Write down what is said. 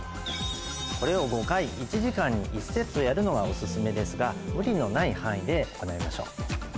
これを５回１時間に１セットやるのがオススメですが無理のない範囲で行いましょう。